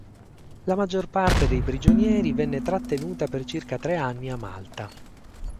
La maggior parte dei prigionieri venne trattenuta per circa tre anni a Malta.